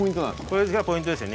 これがポイントです